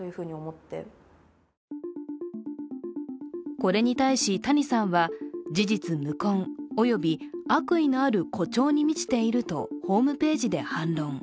これに対し、谷さんは事実無根及び悪意のある誇張に満ちているとホームページで反論。